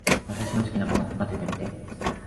私の好きなもの、当ててみて。